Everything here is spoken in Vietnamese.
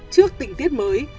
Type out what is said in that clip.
trước tình tiết mới